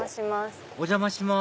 お邪魔します。